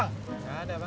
nggak ada rejian bang